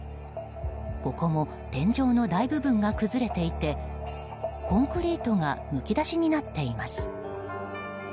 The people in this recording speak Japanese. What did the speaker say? ここも天井の大部分が崩れていてコンクリートがむき出しになっています。